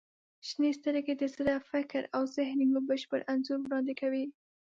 • شنې سترګې د زړه، فکر او ذهن یو بشپړ انځور وړاندې کوي.